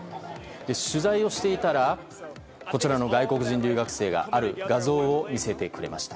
取材をしていたら、こちらの外国人留学生が、ある画像を見せてくれました。